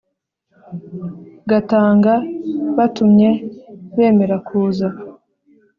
Gatanga batumye bemera kuza